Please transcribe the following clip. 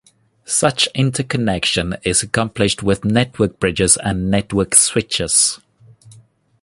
Such interconnection is accomplished with network bridges and network switches.